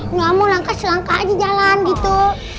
enggak mau langkah selangkah aja jalan gitu